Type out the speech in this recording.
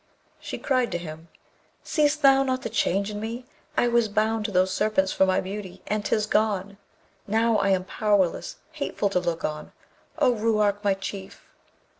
She cried to him, 'Seest thou not the change in me? I was bound to those Serpents for my beauty, and 'tis gone! Now am I powerless, hateful to look on, O Ruark my Chief!'